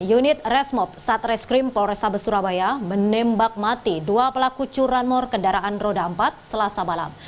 unit resmob satreskrim polrestabes surabaya menembak mati dua pelaku curanmor kendaraan roda empat selasa malam